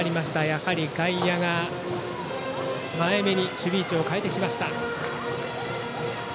やはり外野が前めに守備位置を変えてきました。